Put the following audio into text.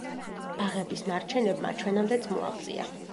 ბაღების ნარჩენებმა ჩვენამდეც მოაღწია.